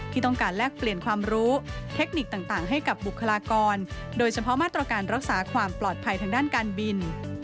ที่ต้องการแลกเปลี่ยนความรู้เทคนิคต่างให้กับบุคลากรโดยเฉพาะมาตรการรักษาความปลอดภัยทางด้านการบิน